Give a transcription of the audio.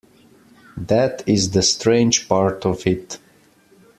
That is the strange part of it.